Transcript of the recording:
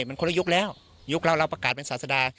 มันคนละยุคแล้วยุคเราเราประกาศเป็นศาสดา